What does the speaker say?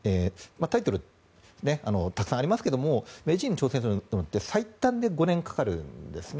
タイトルってたくさんありますが名人に挑戦するのって最短で５年かかるんですね。